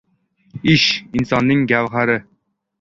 Ish — insonning gavhari.